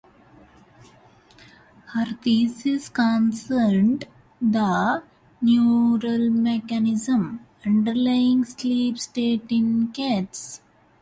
Her thesis concerned the neural mechanisms underlying sleep state in cats.